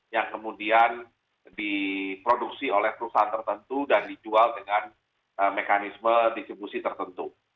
yang kemudian diproduksi oleh perusahaan tertentu dan dijual dengan mekanisme distribusi tertentu